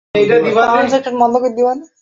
ঘরে বসে থাক।